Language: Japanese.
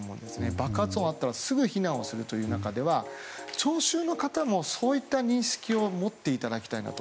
爆発音があったらすぐ避難をするという中では聴衆の方もそういった認識を持っていただきたいと。